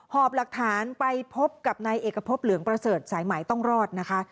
หอบหลักฐานไปพบกับนายเอกพบเหลืองประเสริฐสายหมายต้องรอดนะคะ